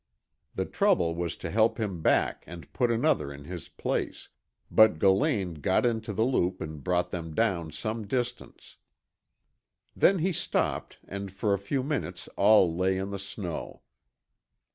The trouble was to help him back and put another in his place, but Gillane got into the loop and brought them down some distance. Then he stopped and for a few minutes all lay in the snow.